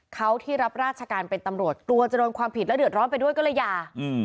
เขาที่รับราชการเป็นตำรวจกลัวจะโดนความผิดและเดือดร้อนไปด้วยก็เลยหย่า